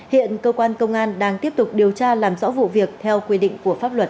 hiện cơ quan công an đang tiếp tục điều tra làm rõ vụ việc theo quy định của pháp luật